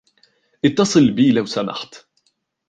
اتصل بي لو سمحت.